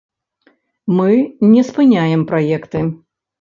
Мы не спыняем праекты.